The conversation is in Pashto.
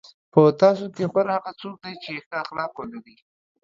په تاسو کې غوره هغه څوک دی چې ښه اخلاق ولري.